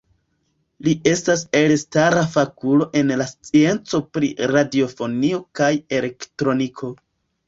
Li estas elstara fakulo en la scienco pri radiofonio kaj elektroniko.